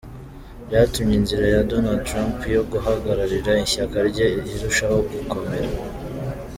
Byatumye inzira ya Donald Trump yo guhagararira ishyaka rye irushaho gukomera.